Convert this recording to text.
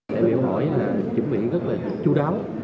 để biểu hỏi là chuẩn bị rất là chú đáo